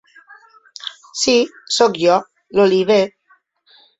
Sí, soc jo, l'Oliver.